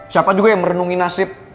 siapa juga yang merenungi nasib